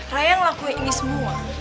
raya yang lakuin ini semua